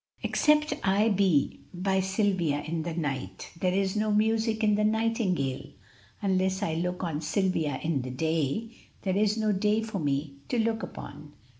"Except I be by Silvia in the night, There is no music in the nightingale; Unless I look on Silvia in the day, There is no day for me to look upon."